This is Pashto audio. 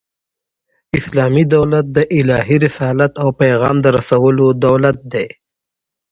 اسلامي دولت د الهي رسالت او پیغام د رسولو دولت دئ.